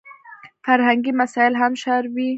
فرهنګي مسایل هم شاربي.